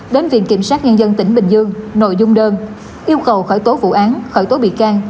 đến viện kiểm sát nhân dân tỉnh bình dương nội dung đơn yêu cầu khởi tố vụ án khởi tố bị can